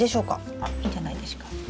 あいいんじゃないでしょうか。